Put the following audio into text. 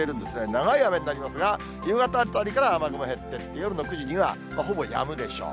長い雨になりますが、夕方あたりから雨雲減ってって、夜の９時にはほぼやむでしょう。